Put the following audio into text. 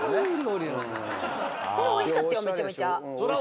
これおいしかったよめちゃめちゃ。